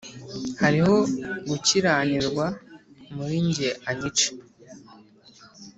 hariho gukiranirwa muri jye anyice .